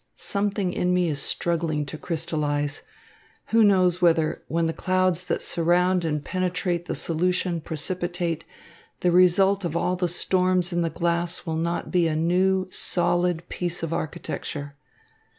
Something in me is struggling to crystallise. Who knows whether, when the clouds that surround and penetrate the solution precipitate, the result of all the storms in the glass will not be a new, solid piece of architecture.